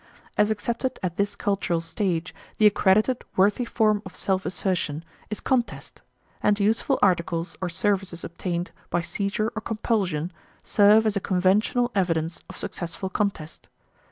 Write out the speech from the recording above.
As accepted at this cultural stage, the accredited, worthy form of self assertion is contest; and useful articles or services obtained by seizure or compulsion, serve as a conventional evidence of successful contest.